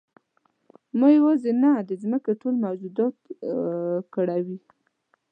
ما یوازې نه د ځمکې ټول موجودات کړوي.